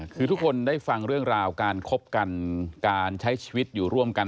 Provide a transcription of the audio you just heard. คือทุกคนได้ฟังเรื่องราวการคบกันการใช้ชีวิตอยู่ร่วมกัน